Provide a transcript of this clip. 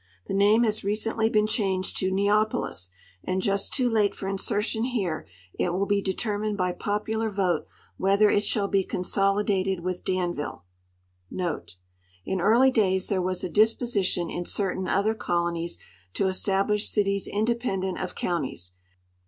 The name has recently been changed to Neapolis, and just too late for insertion here it Avill be determined by popular vote whether it shall be consolidated with DaiiA'ille.* In early days there was a disposition in certain other colonies to establish cities independent of counties.